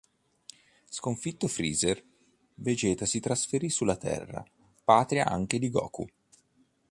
Sconfitto Freezer, Vegeta si trasferì sulla Terra, patria anche di Goku.